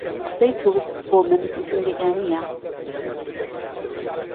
قسەی تۆ بۆ من زیندهگانییه